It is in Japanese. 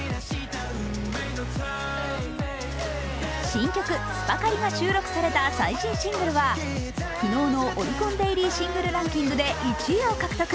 新曲「ＳｕｐｅｒＣａｌｉ」が収録された最新シングルは、昨日のオリコンデイリーシングルランキングで１位を獲得。